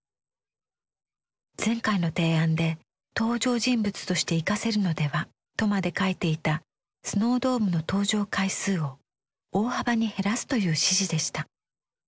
前回の提案で「登場人物として生かせるのでは？」とまで書いていたスノードームの登場回数を大幅に減らすという指示でした。